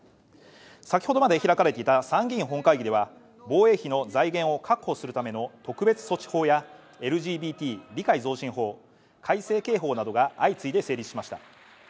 先ほどまで開かれていた参議院本会議では、防衛費の財源を確保するための特別措置法やＬＧＢＴ理解増進法改正刑法などが相次いで成立しました。